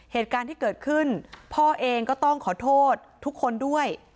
เหตุการณ์ที่เกิดขึ้นพ่อเองก็ต้องขอโทษทุกคนด้วย